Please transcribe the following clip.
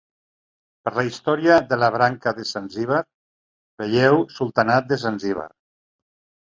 Per la història de la branca de Zanzíbar vegeu Sultanat de Zanzíbar.